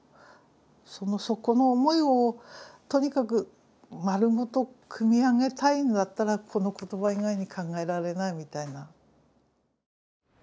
その底の思いをとにかく丸ごとくみ上げたいんだったらこの言葉以外に考えられないみたいな。